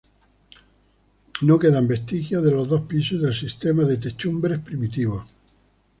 No quedan vestigios de los dos pisos y del sistema de techumbre primitivos.